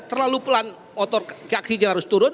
terlalu pelan motor kakinya harus turun